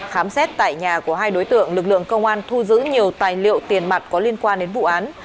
khám xét tại nhà của hai đối tượng lực lượng công an thu giữ nhiều tài liệu tiền mặt có liên quan đến vụ án